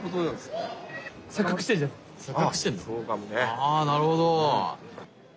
あなるほど。